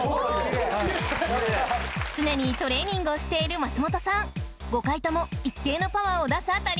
・常にトレーニングをしている松本さん５回とも一定のパワーを出すあたり